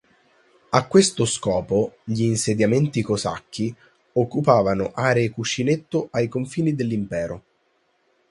A questo scopo gli insediamenti cosacchi occupavano aree cuscinetto ai confini dell'Impero.